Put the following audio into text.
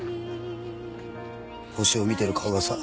星を見てる顔がさ。